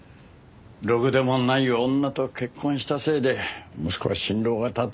ろくでもない女と結婚したせいで息子は心労がたたったんですよ。